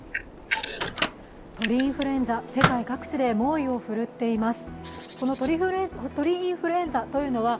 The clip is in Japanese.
鳥インフルエンザ、世界各地で猛威を振るっています。